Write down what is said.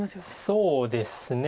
そうですね。